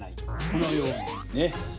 このようにね。